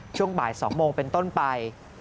ช่วงบ่าย๒โมงเป็นต้นไป